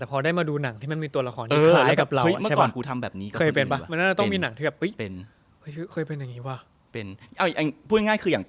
แต่พอได้มาดูหนังที่มันมีตัวละครที่คล้ายกับเรา